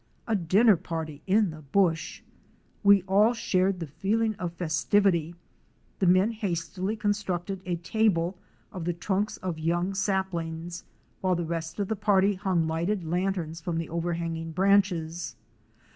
A dinner party in the 'bush!' We all shared the feeling of festivity. The men hastily constructed a table of the trunks of young sap lings, while the rest of the party hung lighted lanterns from the overhanging branches.